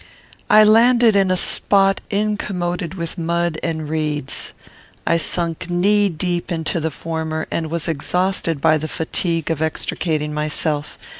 I landed in a spot incommoded with mud and reeds. I sunk knee deep into the former, and was exhausted by the fatigue of extricating myself.